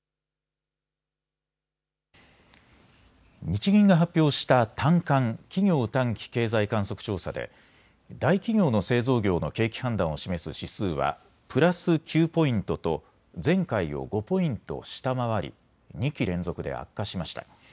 日銀が発表した短観・企業短期経済観測調査で大企業の製造業の景気判断を示す指数はプラス９ポイントと前回を５ポイント下回り２期連続で悪化しました。